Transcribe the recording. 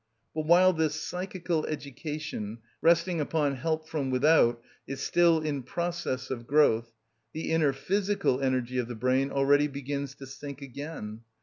But while this psychical education, resting upon help from without, is still in process of growth, the inner physical energy of the brain already begins to sink again.